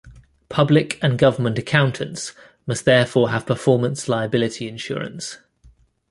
Public and government accountants must therefore have performance liability insurance.